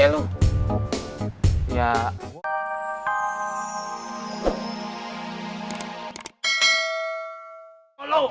gak ada yang gede lu